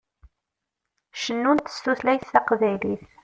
Cennunt s tutlayt taqbaylit.